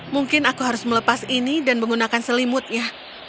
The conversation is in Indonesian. mungkin aku harus melepas ini dan menggunakan selimutnya